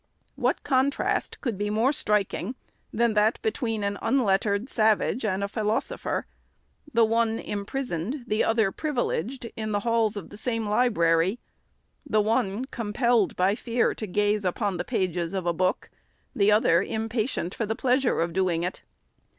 What contrast could be more striking, than that between an unlettered savage and a philosopher, — the one im prisoned, the other privileged, — in the halls of the same SECOND ANNUAL REPORT. 513 library ;— the one compelled by fear to gaze upon the pages of a book, the other impatient for the pleasure of doing it